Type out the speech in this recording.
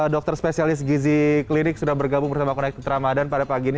dokter spesialis gizi klinik sudah bergabung bersama aku naik ke tramadan pada pagi ini